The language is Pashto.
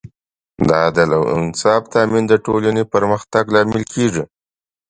د عدل او انصاف تامین د ټولنې پرمختګ لامل کېږي.